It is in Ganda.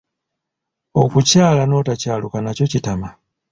Okukyala n'otakyaluka nakyo kitama.